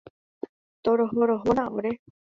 Torohorohóna ore.